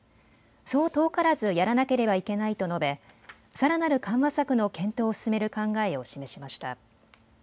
そう遠からず、やらなければいけないと述べさらなる緩和策の検討を進める考えを示しました。